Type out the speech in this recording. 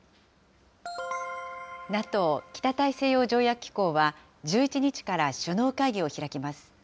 ＮＡＴＯ・北大西洋条約機構は、１１日から首脳会議を開きます。